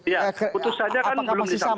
ya putusannya kan belum disampaikan